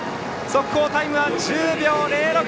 速報タイム１０秒０６！